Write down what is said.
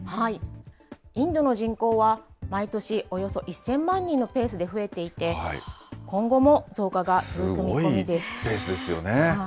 インドの人口は、毎年およそ１０００万人のペースで増えていて、すごいペースですよね。